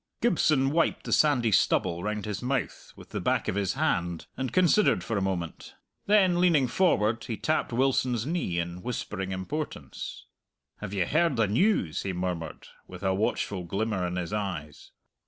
Gibson wiped the sandy stubble round his mouth with the back of his hand, and considered for a moment. Then, leaning forward, he tapped Wilson's knee in whispering importance. "Have you heard the news?" he murmured, with a watchful glimmer in his eyes.